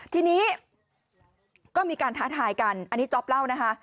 ทีนี้ก็มีการท้าทายกันอันนี้จ๊อปเล่านะคะ